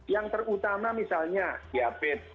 yang terutama misalnya diabetes